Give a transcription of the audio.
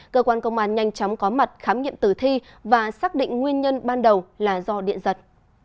cơ quan công an nhanh chóng có mặt khám nghiệm tử thi và xác định nguyên nhân ban đầu là do điện giật